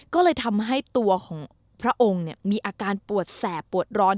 ก็เลยทำให้ตัวของพระองค์มีอาการปวดแสบปวดร้อน